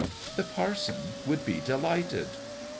The parson would be delighted